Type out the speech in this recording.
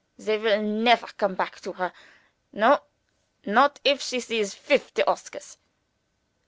"They will never come back to her no, not if she sees fifty Oscars!"